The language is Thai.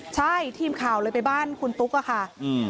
ใช่ทีมข่าวเลยไปบ้านคุณตุ๊กอะค่ะ